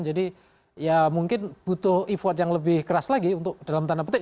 jadi ya mungkin butuh e vote yang lebih keras lagi untuk dalam tanda petik